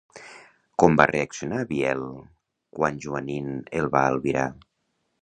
Com va reaccionar Biel quan Joanín el va albirar?